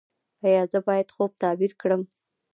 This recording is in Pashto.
ایا زه باید خوب تعبیر کړم؟